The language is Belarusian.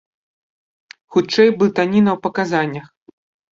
Хутчэй блытаніна ў паказаннях.